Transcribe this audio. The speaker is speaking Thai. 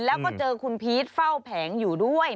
แล้วก็เจอคุณพีชเฝ้าแผงอยู่ด้วย